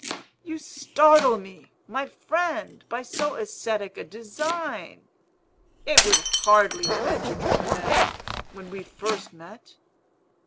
"You startle me, my friend, by so ascetic a design! It would hardly have entered your head, when we first met.